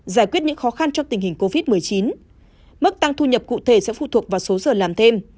giải quyết những khó khăn cho tình hình covid một mươi chín mức tăng thu nhập cụ thể sẽ phụ thuộc vào số giờ làm thêm